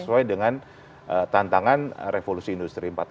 sesuai dengan tantangan revolusi industri empat